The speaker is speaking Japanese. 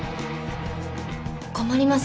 困ります